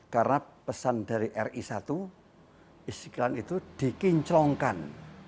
karena pesan dari ri satu istiqlal itu dikinclongkan